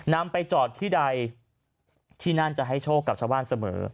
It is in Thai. นำไปจอดที่ใดที่นั่นจะให้โชคกับชาวบ้านเสมอ